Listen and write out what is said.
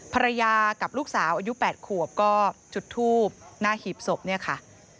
ภรรยากับลูกสาวอายุ๘ขวบก็จุดทูบหน้าหีบศพเนี่ยค่ะ